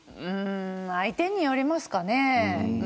相手によりますかね。